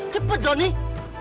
cepat don nih